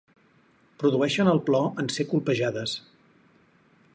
Produeixen el plor en ser colpejades.